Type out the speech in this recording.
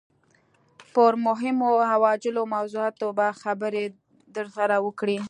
پر مهمو او عاجلو موضوعاتو به خبرې درسره وکړي.